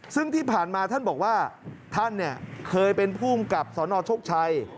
ซึ่งที่ผ่านมาท่านบอกว่าท่านเคยเป็นภูมิกับสนโชคชัย